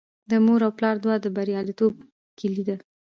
د مور او پلار دعا د بریالیتوب کیلي ده.